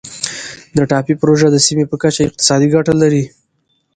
د ټاپي پروژه د سیمې په کچه اقتصادي ګټه لري.